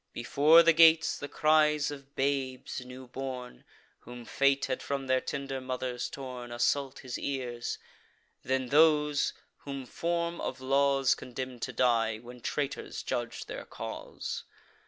Before the gates, the cries of babes new born, Whom fate had from their tender mothers torn, Assault his ears: then those, whom form of laws Condemn'd to die, when traitors judg'd their cause.